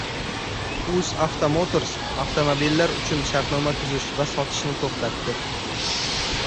UzAuto Motors avtomobillar uchun shartnoma tuzish va sotishni to‘xtatdi